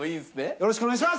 よろしくお願いします！